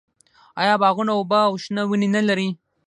آیا باغونه اوبه او شنه ونې نلري؟